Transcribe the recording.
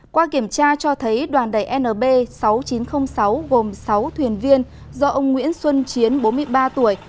qua kiểm tra cho thấy đoàn đẩy nb sáu nghìn chín trăm linh sáu gồm sáu thuyền viên do ông nguyễn xuân chiến bốn mươi ba tuổi